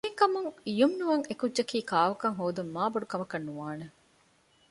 އެހެންކަމުން ޔުމްނުއަށް އެކުއްޖަކީ ކާކުކަން ހޯދުން މާ ބޮޑުކަމަކަށް ނުވާނެ